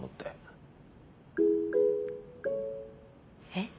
えっ？